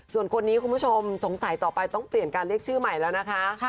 ส่วนคนนี้คุณผู้ชมสงสัยต่อไปต้องเปลี่ยนการเรียกชื่อใหม่แล้วนะคะ